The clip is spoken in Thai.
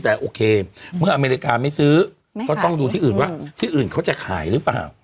แต่โอเคเมื่ออเมริกาไม่ซื้อก็ต้องดูที่อื่นว่าที่อื่นเขาจะขายหรือเปล่า